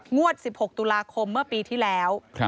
งวด๑๖ตุลาคมเมื่อปีที่แล้ว